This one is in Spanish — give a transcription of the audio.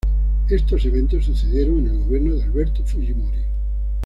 Estos eventos sucedieron en el gobierno de Alberto Fujimori.